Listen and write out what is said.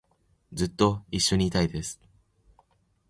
ずっと一緒にいたいです